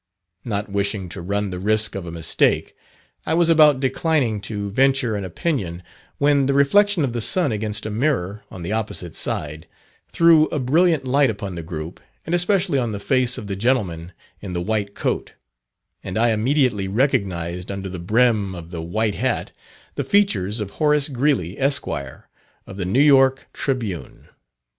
Not wishing to run the risk of a mistake, I was about declining to venture an opinion, when the reflection of the sun against a mirror, on the opposite side, threw a brilliant light upon the group, and especially on the face of the gentleman in the white coat, and I immediately recognized under the brim of the white hat, the features of Horace Greeley, Esq., of the New York "Tribune."